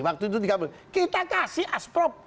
waktu itu tiga puluh kita kasih asprog